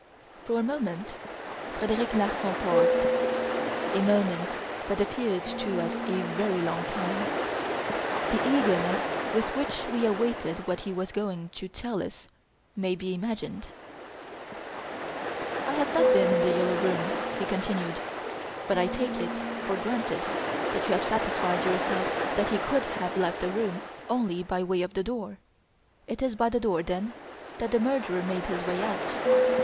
For a moment Frederic Larsan paused, a moment that appeared to us a very long time. The eagerness with which we awaited what he was going to tell us may be imagined. "I have not been in "The Yellow Room"," he continued, "but I take it for granted that you have satisfied yourselves that he could have left the room only by way of the door; it is by the door, then, that the murderer made his way out.